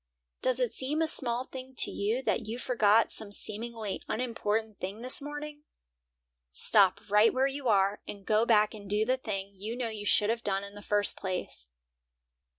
Does it seem a small thing to you that you forgot some seemingly unimportant thing this morning? Stop right where you are and go back and do the thing you know you should have done in the first place.